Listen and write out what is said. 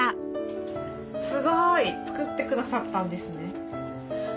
すごい作ってくださったんですね。